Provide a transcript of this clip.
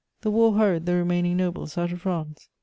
The war hurried the remaining nobles out of France.